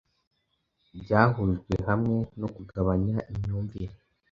Byahujwe hamwe no kugabanya imyumvire